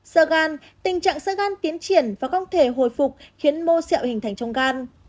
sơ gan tình trạng sơ gan tiến triển và không thể hồi phục khiến mô sẹo hình thành trong gan